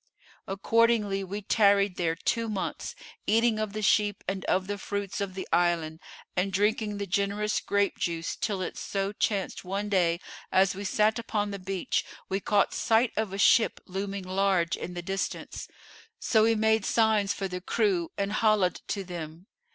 Accordingly we tarried there two months, eating of the sheep and of the fruits of the island and drinking the generous grape juice till it so chanced one day, as we sat upon the beach, we caught sight of a ship looming large in the distance; so we made signs for the crew and holla'd to them.